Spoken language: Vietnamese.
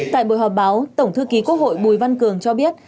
tại buổi họp báo tổng thư ký quốc hội bùi văn cường cho biết